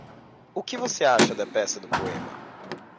O que você acha da peça do poema?